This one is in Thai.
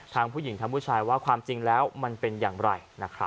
ผู้หญิงทั้งผู้ชายว่าความจริงแล้วมันเป็นอย่างไร